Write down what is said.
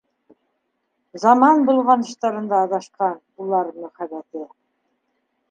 Заман болғаныштарында аҙашҡан улар мөхәббәте.